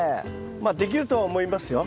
まあできるとは思いますよ。